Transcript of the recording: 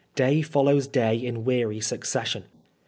Day follows day in weary succession.